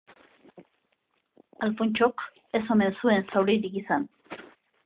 Alfontso ez omen zuen zauririk izan.